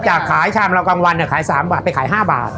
จากขายชามเรากลางวันเนี่ยขาย๓บาทไปขาย๕บาท